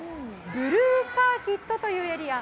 ブルーサーキットというエリア。